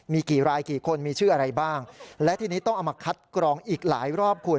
มีกี่รายกี่คนมีชื่ออะไรบ้างและทีนี้ต้องเอามาคัดกรองอีกหลายรอบคุณ